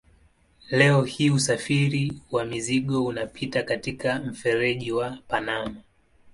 Leo hii usafiri wa mizigo unapita katika mfereji wa Panama.